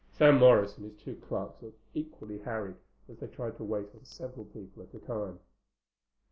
Sam Morris and his two clerks looked equally harried as they tried to wait on several people at a time.